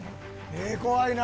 えー、怖いな。